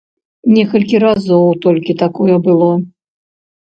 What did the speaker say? Некалькі разоў толькі такое было.